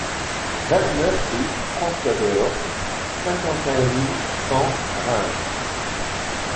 vingt-neuf rue François Dor, cinquante et un mille cent Reims